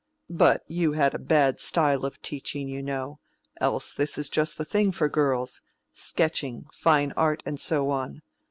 But you had a bad style of teaching, you know—else this is just the thing for girls—sketching, fine art and so on.